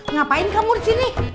ngapain kamu disini